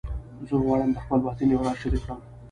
زه غواړم د خپل باطن یو راز شریک کړم